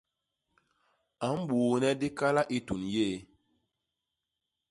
A mbuune dikala i tuñ yéé.